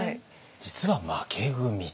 実は負け組と。